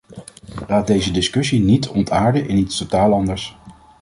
Laat deze discussie niet ontaarden in iets totaal anders.